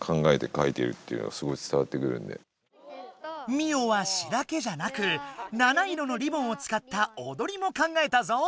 ミオは詞だけじゃなく７色のリボンをつかったおどりも考えたぞ。